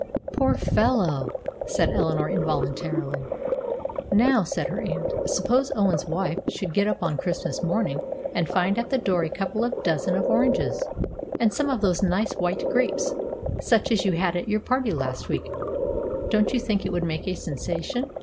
"Poor fellow!" said Eleanor, involuntarily. "Now," said her aunt, "suppose Owen's wife should get up on Christmas morning and find at the door a couple of dozen of oranges, and some of those nice white grapes, such as you had at your party last week; don't you think it would make a sensation?"